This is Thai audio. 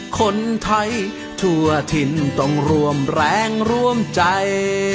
คนไทยทั่วถิ่นต้องร่วมแรงร่วมใจ